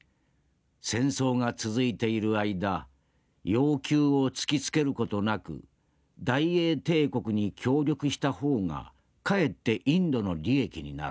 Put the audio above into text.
戦争が続いている間要求を突きつける事なく大英帝国に協力した方がかえってインドの利益になる。